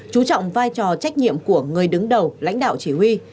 chú trọng vai trò trách nhiệm của người đứng đầu lãnh đạo chỉ huy